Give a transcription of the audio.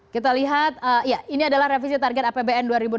kita lihat ini adalah revisi target apbn dua ribu enam belas